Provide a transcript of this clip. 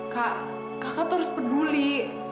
kak kakak tuh harus peduli